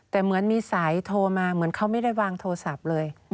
แต่เหมือนมีสายโทรมาเหมือนเขาไม่ได้วางโทรศัพท์เลย